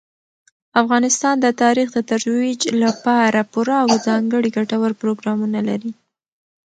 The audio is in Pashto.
افغانستان د تاریخ د ترویج لپاره پوره او ځانګړي ګټور پروګرامونه لري.